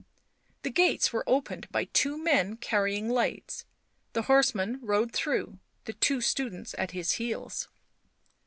The gates were opened by two men carrying lights. The horse man rode through, the two students at his heels.